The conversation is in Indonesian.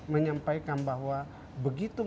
menyampaikan bahwa begitu saja